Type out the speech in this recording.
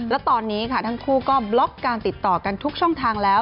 และตอนนี้ค่ะทั้งคู่ก็บล็อกการติดต่อกันทุกช่องทางแล้ว